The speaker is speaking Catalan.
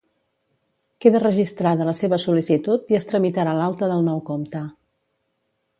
Queda registrada la seva sol·licitud i es tramitarà l'alta del nou compte.